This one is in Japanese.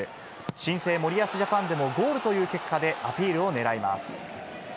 新生森保ジャパンでもゴールという結果でアピールをねらいます。